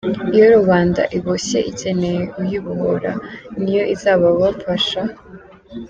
Iyo rubanda iboshye ikeneye uyibohora ni yo izababafasha?